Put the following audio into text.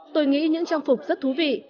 tôi nghĩ những trang phục rất thú vị